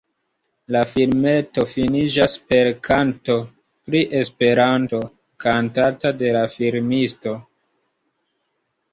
La filmeto finiĝas per kanto pri Esperanto, kantata de la filmisto.